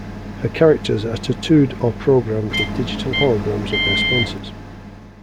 Her characters are tattooed or programmed with digital holograms of their sponsors.